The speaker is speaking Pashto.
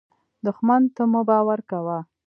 دښمن ته مه باور کوه